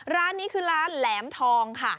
ร้านนี้คือร้านแหลมทองค่ะ